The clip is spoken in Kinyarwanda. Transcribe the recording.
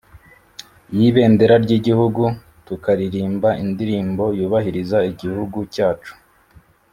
y'ibendera ry'igihugu, tukaririmba indirimbo yubahiriza igihugu cyacu.